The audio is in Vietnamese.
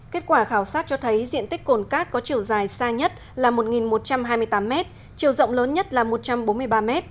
kết quả khảo sát cho thấy diện tích cồn cát có chiều dài xa nhất là một một trăm hai mươi tám m chiều rộng lớn nhất là một trăm bốn mươi ba m